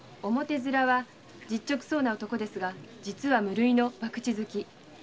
実直そうな男ですが実は無類のバクチ好き。